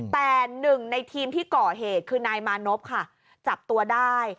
แต่หนึ่งในทีมที่ก่อเหตุคือนายมานพค่ะจับตัวได้